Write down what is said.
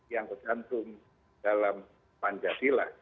yang tercantum dalam panjatila